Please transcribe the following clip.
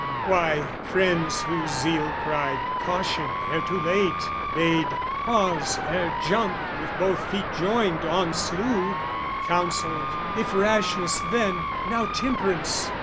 Why, friends whose zeal cried "Caution ere too late!" Bade "Pause ere jump, with both feet joined, on slough! Counselled "If rashness then, now temperance!"